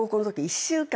１週間！？